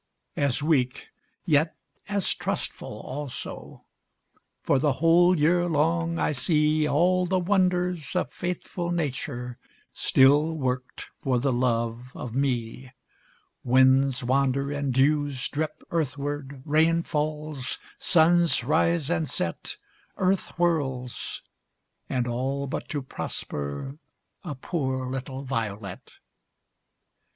As weak, yet as trustful also; For the whole year long I see All the wonders of faithful Nature Still worked for the love of me; Winds wander, and dews drip earthward, Rain falls, suns rise and set, Earth whirls, and all but to prosper A poor little violet.